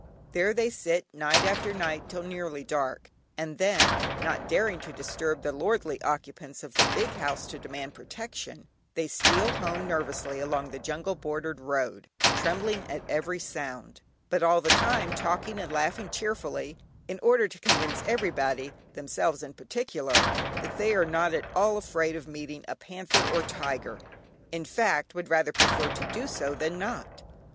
There they sit night after night till nearly dark, and then, not daring to disturb the lordly occupants of the big house, to demand protection, they steal home nervously along the jungle bordered road, trembling at every sound, but all the time talking and laughing cheerfully, in order to convince everybody (themselves in particular) that they are not at all afraid of meeting a panther or tiger, in fact would rather prefer to do so than not.